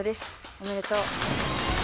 おめでとう。